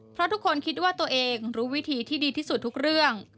เพราะทุกคนคิดว่าตัวเองรู้วิธีที่ดีที่สุดทุกเรื่อง